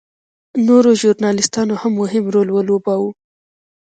نورو ژورنالېستانو هم مهم رول ولوباوه.